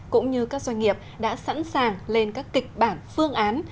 cũng như các doanh nghiệp đã sẵn sàng lên các kịch bản phương án